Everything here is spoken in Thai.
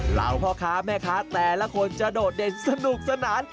เหล่าพ่อค้าแม่ค้าแต่ละคนจะโดดเด่นสนุกสนาน